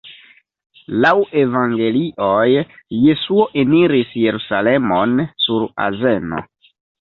Laŭ Evangelioj, Jesuo eniris Jerusalemon sur azeno.